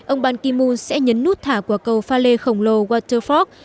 ông ban ki moon sẽ nhấn nút thả qua cầu pha lê khổng lồ waterford